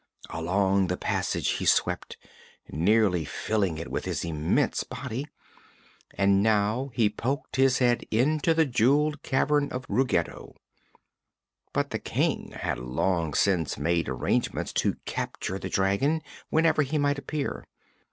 Along the passage he swept, nearly filling it with his immense body, and now he poked his head into the jeweled cavern of Ruggedo. But the King had long since made arrangements to capture the dragon, whenever he might appear.